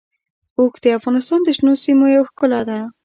اوښ د افغانستان د شنو سیمو یوه ښکلا ده.